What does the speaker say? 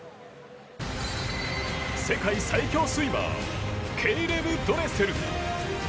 世界最強スイマーケイレブ・ドレセル。